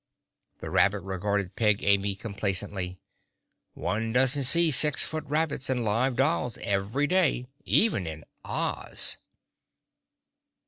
The rabbit regarded Peg Amy complacently. "One doesn't see six foot rabbits and live dolls every day, even in Oz!"